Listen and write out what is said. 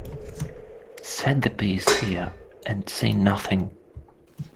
Set the piece here and say nothing.